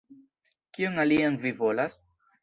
Kion alian vi volas?